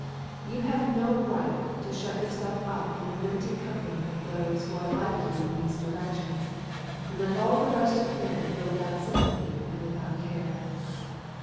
You have no right to shut yourself up in a limited company of those who are like you in these directions, and let all the rest of men go without sympathy and without care.